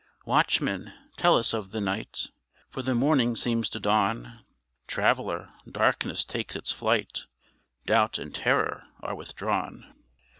Watchman! tell us of the night, For the morning seems to dawn: Traveler! darkness takes its flight, Doubt and terror are withdrawn.